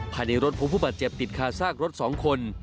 ภายในรถพบผู้บาดเจ็บติดคาซากรถ๒คน